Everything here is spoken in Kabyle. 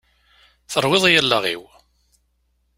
Terwiḍ-iyi allaɣ-iw!